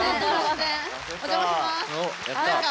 お邪魔します。